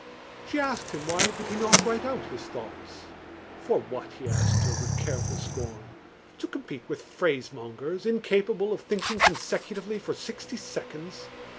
She asked him why did he not write out his thoughts. For what, he asked her, with careful scorn. To compete with phrasemongers, incapable of thinking consecutively for sixty seconds?